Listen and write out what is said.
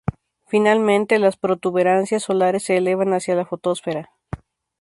Finalmente, las protuberancias solares se elevan hacia la fotosfera.